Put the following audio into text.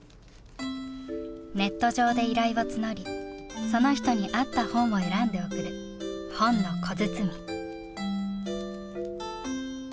ネット上で依頼を募りその人に合った本を選んで送る「ほんのこづつみ」。